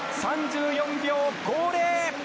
３４秒５０。